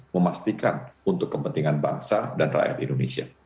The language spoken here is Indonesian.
memastikan untuk kepentingan bangsa dan rakyat indonesia